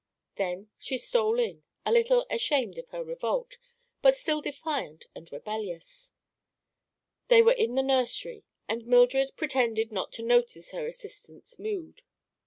Then she stole in, a little ashamed of her revolt, but still defiant and rebellious. They were in the nursery and Mildred pretended not to notice her assistant's mood.